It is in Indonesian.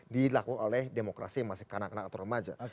dilakukan oleh demokrasi yang masih kanak kanak atau remaja